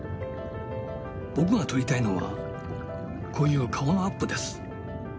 僕が撮りたいのはこういう顔のアップです。